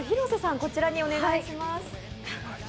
こちらにお願いします。